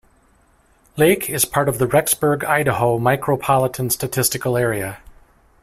Lake is part of the Rexburg, Idaho Micropolitan Statistical Area.